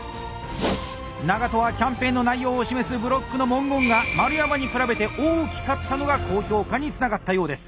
長渡はキャンペーンの内容を示すブロックの文言が丸山に比べて大きかったのが高評価につながったようです。